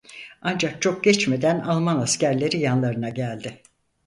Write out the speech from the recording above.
Ancak çok geçmeden Alman askerleri yanlarına geldi.